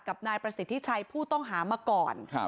กับนายประสิทธิชัยผู้ต้องหามาก่อน